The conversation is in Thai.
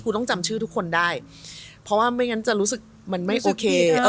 คุณต้องจำชื่อทุกคนได้เพราะว่าไม่งั้นจะรู้สึกมันไม่โอเค